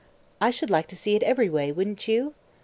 I should like to see it every way, wouldn't you?